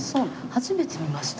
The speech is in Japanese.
初めて見ました。